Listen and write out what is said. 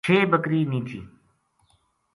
چھ بکری نیہہ تھی